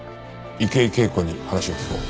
池井景子に話を聞こう。